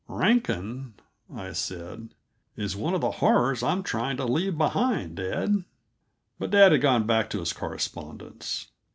"Rankin," I said, "is one of the horrors I'm trying to leave behind, dad." But dad had gone back to his correspondence.